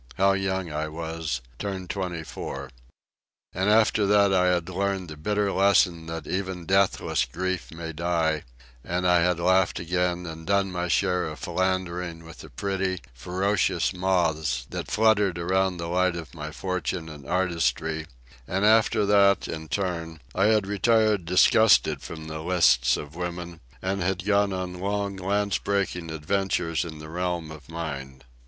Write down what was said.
How young I was—turned twenty four! And after that I had learned the bitter lesson that even deathless grief may die; and I had laughed again and done my share of philandering with the pretty, ferocious moths that fluttered around the light of my fortune and artistry; and after that, in turn, I had retired disgusted from the lists of woman, and gone on long lance breaking adventures in the realm of mind.